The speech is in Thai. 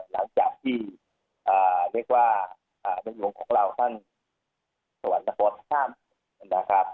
หลังจากที่อ่าเรียกว่าอ่าเป็นหวงของเราท่านสวรรค์นะครับ